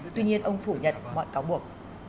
tuy nhiên ông thủ nhật mọi cáo buộc